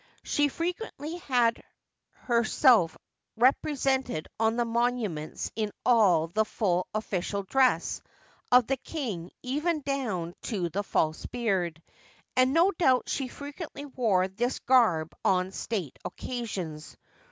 She frequently had herself represented on the monuments in all the full official dress of the king even down to the false beard, and no doubt she frequently wore this garb on state occasions.